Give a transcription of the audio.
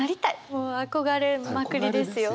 もう憧れまくりですよ。